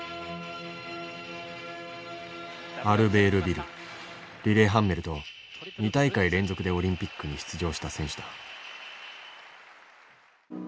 アルベールビルリレハンメルと２大会連続でオリンピックに出場した選手だ。